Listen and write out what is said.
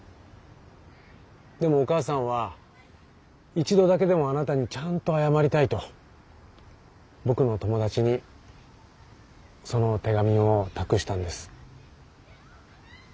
でもお母さんは一度だけでもあなたにちゃんと謝りたいと僕の友達にその手紙を託したんです。